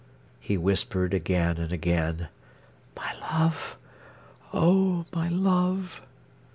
he whispered again and again. "My love—oh, my love!"